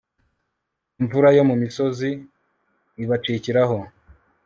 imvura yo mu misozi ibacikiraho